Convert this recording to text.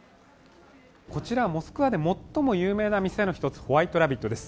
こちらモスクワで最も有名な店の一つホワイトラビットです。